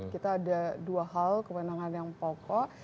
kita ada dua hal kewenangan yang pokok